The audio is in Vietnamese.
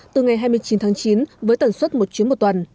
từ ngày hai mươi chín tháng chín với tần suất một chuyến một tuần